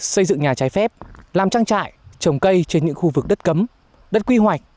xây dựng nhà trái phép làm trang trại trồng cây trên những khu vực đất cấm đất quy hoạch